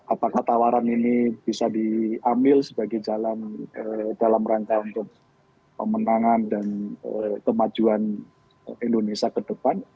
jadi sekali lagi kalau ada tawaran ini bisa diambil sebagai jalan dalam rangka untuk pemenangan dan kemajuan indonesia ke depan